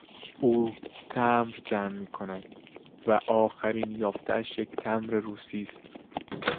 او تمبر جمع میکند و آخرین یافتهاش یک تمبر روسی است.